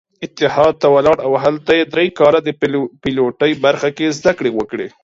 اتحاد ته ولاړ او هلته يې درې کاله د پيلوټۍ برخه کې زدکړې وکړې.